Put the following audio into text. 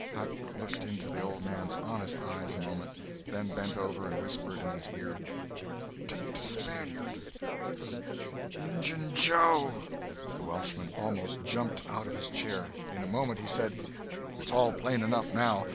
Huck looked into the old man's honest eyes a moment, then bent over and whispered in his ear: "'Tain't a Spaniard—it's Injun Joe!" The Welshman almost jumped out of his chair. In a moment he said: "It's all plain enough, now.